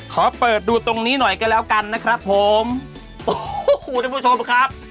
ขอเปิดดูตรงนี้หน่อยก็แล้วกันนะครับผมโอ้โหท่านผู้ชมครับ